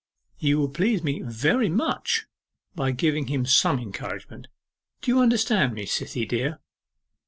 You will please me very much by giving him some encouragement. You understand me, Cythie dear?